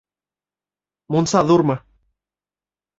Мунса ҙурмы?